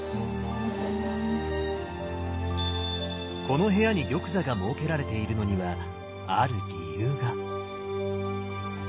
この部屋に玉座が設けられているのにはある理由が。